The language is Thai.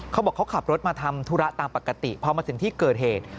เขาบอกเขาขับรถมาทำธุระตามปกติพอมาถึงที่เกิดเหตุ